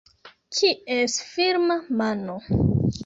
Kies firma mano?